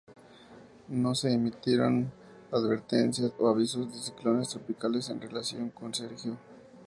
No se emitieron advertencias o avisos de ciclones tropicales en relación con Sergio.